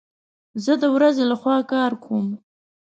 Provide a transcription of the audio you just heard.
زه د ورځي لخوا کار کوم